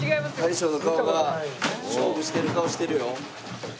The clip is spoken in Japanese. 大将の顔が勝負してる顔してるよ。